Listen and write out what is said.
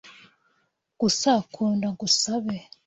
gusa kunda ngusabe